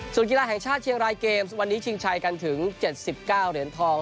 ส่วนกีฬาแห่งชาติเชียงรายเกมส์วันนี้ชิงชัยกันถึง๗๙เหรียญทอง